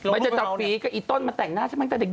ไม่จะทำฟรีก็ไอ้ต้นมันแต่งหน้าใช่ไหมแต่เด็กไง